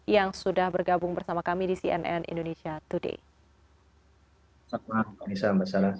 yang sudah bergabung bersama kami di cnn indonesia today